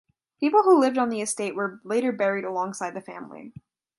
People who lived on the estate were later buried alongside the family.